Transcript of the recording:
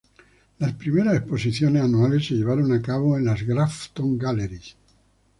Las primeras exposiciones anuales se llevaron a cabo en las Grafton Galleries.